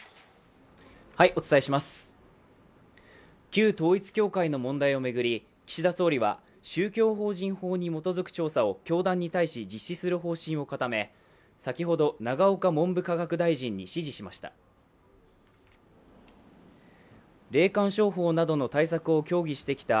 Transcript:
旧統一教会の問題を巡り岸田総理は宗教法人法に基づく調査を教団に対し実施する方針を固め先ほど、永岡文部科学大臣に指示しました。